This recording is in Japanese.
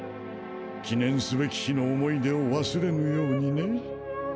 記念すべき日の思い出を忘れぬようにね。